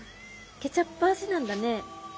ケチャップ味なんだね。